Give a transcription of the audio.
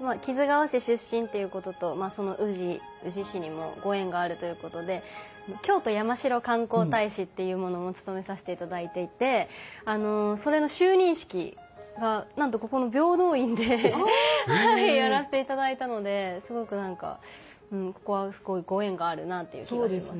まあ木津川市出身ということとその宇治宇治市にもご縁があるということで京都やましろ観光大使っていうものも務めさせていただいていてそれの就任式がなんとここの平等院でやらせていただいたのですごく何かここはすごいご縁があるなという気がします。